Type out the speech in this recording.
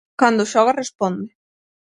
Cando xoga responde.